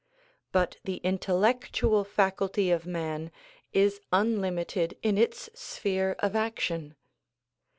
But the intellectual faculty of man is unlimited in its sphere of action.